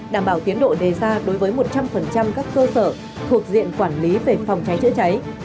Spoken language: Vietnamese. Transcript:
đảm bảo tiến độ đề ra đối với một trăm linh các cơ sở thuộc diện quản lý về phòng cháy chữa cháy